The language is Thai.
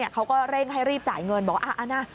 เขาก็เร่งให้รีบจ่ายเงินบอกว่า